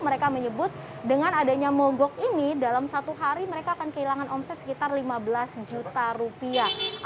mereka menyebut dengan adanya mogok ini dalam satu hari mereka akan kehilangan omset sekitar lima belas juta rupiah